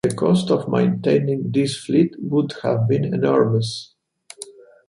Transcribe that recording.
The cost of maintaining this fleet would have been enormous.